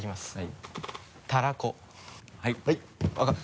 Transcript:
はい！